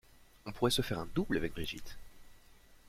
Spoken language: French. On pourrait se faire un double avec Brigitte.